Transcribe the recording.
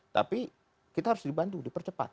tapi kita harus dibantu dipercepat